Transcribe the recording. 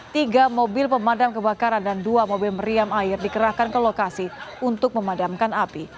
tiga mobil pemadam kebakaran dan dua mobil meriam air dikerahkan ke lokasi untuk memadamkan api